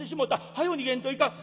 早よ逃げんといかん」。